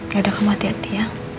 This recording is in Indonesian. gak ada kematian tiang